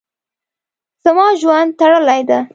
زما ژوند تړلی ده.